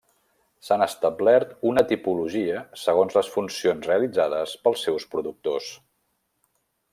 S'ha establert una tipologia segons les funcions realitzades pels seus productors.